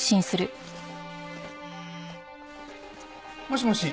もしもし。